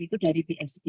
itu dari psb